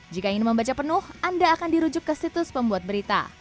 jika ingin membaca penuh anda akan dirujuk ke situs pembuat berita